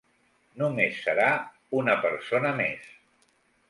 Només serà una persona més.